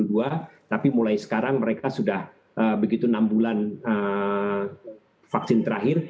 dan sekarang mereka sudah begitu enam bulan vaksin terakhir